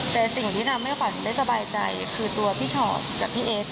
แต่สิ่งที่ทำให้ขวัญได้สบายใจคือตัวพี่ชอตกับพี่เอส